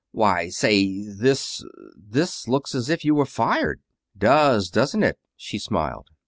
"Why say this this looks as if you were fired!" "Does, doesn't it?" She smiled.